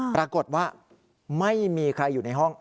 ปรากฏว่าไม่มีใครอยู่ในห้อง